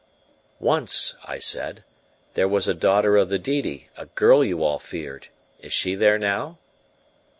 "Once," I said, "there was a daughter of the Didi, a girl you all feared: is she there now?"